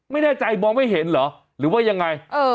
ไม่แน่ใจมองไม่เห็นเหรอหรือว่ายังไง